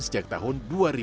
sejak tahun dua ribu